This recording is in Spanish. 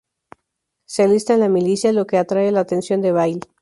Se alista en la milicia, lo que atrae la atención de Vail.